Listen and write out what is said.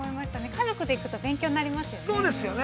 家族で行くと勉強になりますよね。